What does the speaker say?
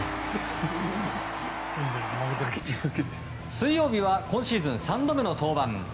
水曜日は今シーズン３度目の登板。